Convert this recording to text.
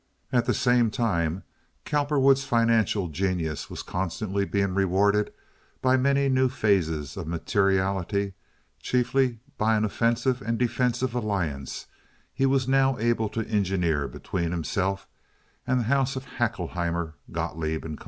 At the same time Cowperwood's financial genius was constantly being rewarded by many new phases of materiality chiefly by an offensive and defensive alliance he was now able to engineer between himself and the house of Haeckelheimer, Gotloeb & Co.